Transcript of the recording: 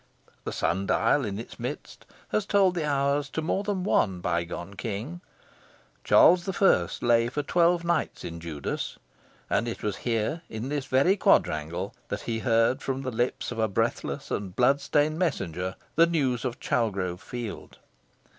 The sun dial in its midst has told the hours to more than one bygone King. Charles I. lay for twelve nights in Judas; and it was here, in this very quadrangle, that he heard from the lips of a breathless and blood stained messenger the news of Chalgrove Field.